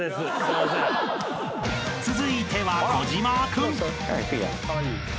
［続いては小島君］